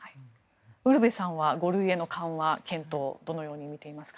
ウルヴェさんは５類への緩和検討をどのように見ていますか。